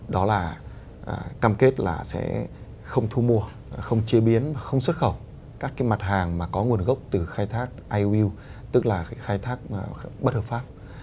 đó là cam kết là sẽ không thu mua không chế biến không xuất khẩu các cái mặt hàng mà có nguồn gốc từ khai thác iuu tức là khai thác bất hợp pháp